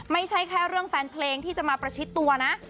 ไม่ใช่แค่เรื่องแฟนเพลงที่จะมาประชิดตัวนะ